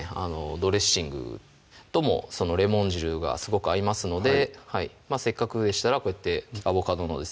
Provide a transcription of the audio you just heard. ドレッシングともレモン汁がすごく合いますのでせっかくでしたらこうやってアボカドのですね